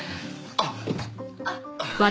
あっ。